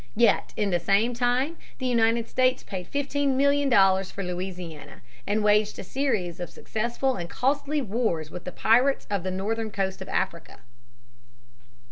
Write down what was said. Yet in the same time the United States paid fifteen million dollars for Louisiana, and waged a series of successful and costly wars with the pirates of the northern coast of Africa.